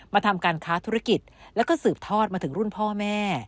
ทำการค้าธุรกิจแล้วก็สืบทอดมาถึงรุ่นพ่อแม่